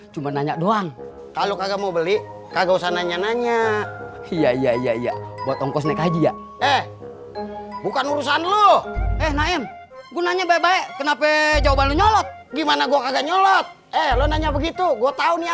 sampai jumpa di video selanjutnya